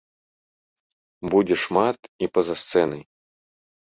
Будзе шмат і па-за сцэнай.